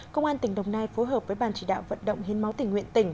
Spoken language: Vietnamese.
công an tỉnh đồng nai phối hợp với ban chỉ đạo vận động hiến máu tỉnh nguyện tỉnh